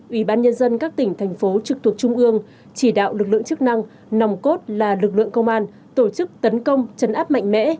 ủy ban nhân dân các tỉnh thành phố trực thuộc trung ương chỉ đạo lực lượng chức năng nòng cốt là lực lượng công an tổ chức tấn công chấn áp mạnh mẽ